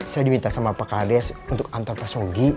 saya diminta sama pak kades untuk antar pak sogi